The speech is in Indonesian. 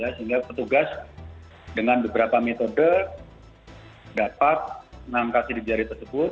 sehingga petugas dengan beberapa metode dapat mengangkat sidik jari tersebut